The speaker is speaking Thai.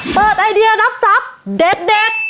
เปิดไอเดียนับสับเด็ด